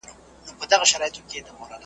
او ساړه او توند بادونه .